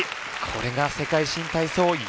これが世界新体操４冠！